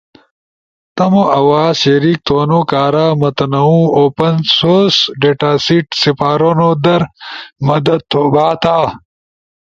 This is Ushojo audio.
تمو آواز شریک تھونو کارا متنوع اوپن سورس ڈیٹاسیٹ سپارونو در مدد تھو بھاتا۔